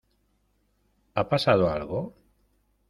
¿ ha pasado algo?